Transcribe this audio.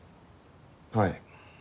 はい。